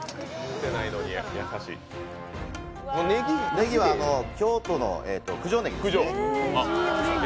ねぎは京都の九条ねぎですね。